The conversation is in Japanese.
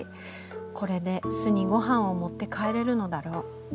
これで巣にごはんを持って帰れるのだろう。